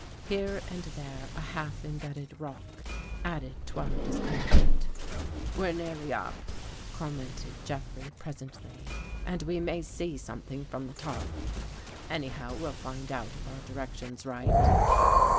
Here and there a half imbedded rock added to our discomfort. " We're nearly up," commented Jeffrey presently, " and we may see something from the top. Any how, we'll find out if our direction's right."